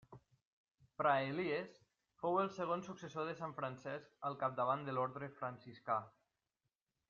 Fra Elies fou el segon successor de sant Francesc al capdavant de l'orde franciscà.